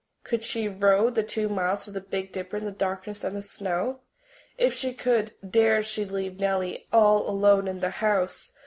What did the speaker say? Could she row the two miles to the Big Dipper in the darkness and the snow? If she could, dare she leave Nellie all alone in the house?